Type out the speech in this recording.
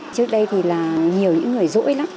trước đây thì là nhiều những người dỗi lắm